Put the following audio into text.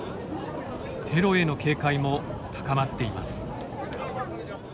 テロへの警戒も高まっています。